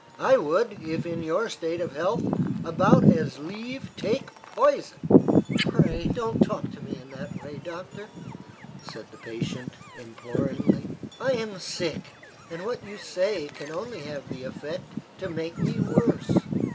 I would, if in your state of health, about as leave take poison." "Pray, don't talk to me in that way, doctor," said the patient, imploringly. "I am sick, and what you say can only have the effect to make me worse.